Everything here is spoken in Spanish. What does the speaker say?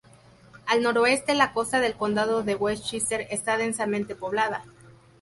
Al noroeste la costa del condado de Westchester está densamente poblada.